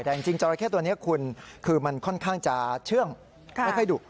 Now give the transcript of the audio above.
แต่จริงจราเข้ตัวนี้คุณคือมันค่อนข้างจะเชื่องไม่ค่อยดุ